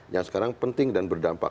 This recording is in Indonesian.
yang sekarang penting dan berdampak